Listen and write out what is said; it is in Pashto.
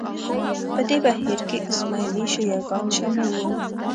په دې بهیر کې اسماعیلي شیعه ګان شامل وو